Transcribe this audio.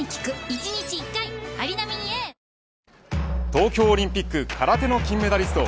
東京オリンピック空手の金メダリスト